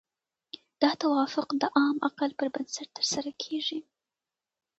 دا توافق د عام عقل پر بنسټ ترسره کیږي.